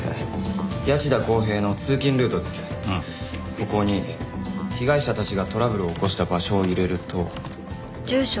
ここに被害者たちがトラブルを起こした場所を入れると。